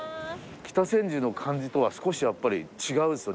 北千住の感じとは少しやっぱり違うっすわ。